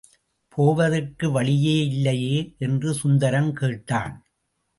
போவதற்கு வழியே இல்லையே! என்று சுந்தரம் கேட்டான்.